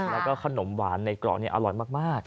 แล้วก็ขนมหวานในกล่องนี้อร่อยมาก